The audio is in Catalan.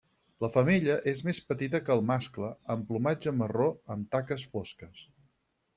La femella és més petita que el mascle, amb plomatge marró amb taques fosques.